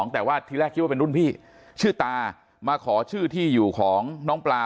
แต่ว่าทีแรกคิดว่าเป็นรุ่นพี่ชื่อตามาขอชื่อที่อยู่ของน้องปลา